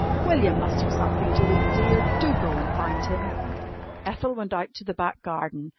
"William must have something to eat, dear. Do go and find him." Ethel went out to the back garden.